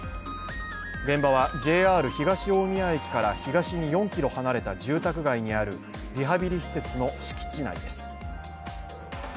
現場はＪＲ東大宮駅から東に４ｋｍ離れた住宅街にあるリハビリ施設の敷地内です。